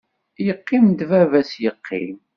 Yeqqim-d baba-s yeqqim.